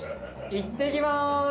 いってきます。